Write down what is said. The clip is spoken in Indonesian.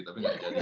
tapi tidak jadi